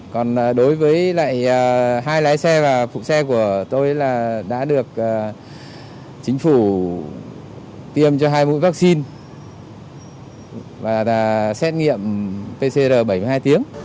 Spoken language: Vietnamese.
còn đối với lại hai lái xe và phụ xe của tôi là đã được chính phủ tiêm cho hai mũi vaccine và xét nghiệm pcr bảy mươi hai tiếng